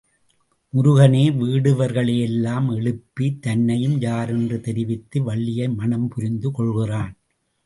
முருகனே வேட்டுவர்களையெல்லாம் எழுப்பி, தன்னையும் யாரென்று தெரிவித்து வள்ளியை மணம் புரிந்து கொள்கிறான்.